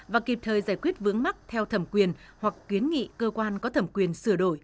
và kịp thời giải quyết vướng mắc theo thẩm quyền hoặc kiến nghị cơ quan có thẩm quyền sửa đổi